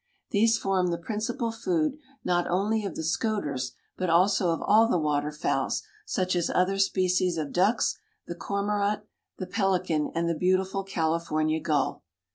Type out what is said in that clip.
These form the principal food not only of the Scoters but also of all the water fowls, such as other species of ducks, the cormorant, the pelican and the beautiful California gull.